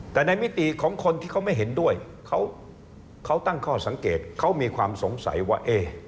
แต่ในมิติของคนที่เขาไม่เห็นด้วยเขาตั้งข้อสังเกตเขามีความสงสัยว่า